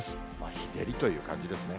日照りという感じですね。